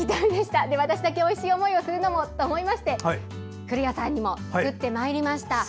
私だけおいしい思いをするのもと思いまして古谷さんにも作ってまいりました。